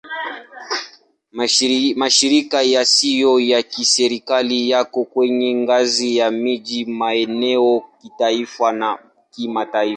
Mashirika yasiyo ya Kiserikali yako kwenye ngazi ya miji, maeneo, kitaifa na kimataifa.